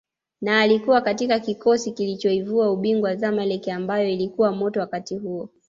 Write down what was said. na alikuwa katika kikosi kilichoivua ubingwa Zamaleck ambayo ilikuwa moto wakati huo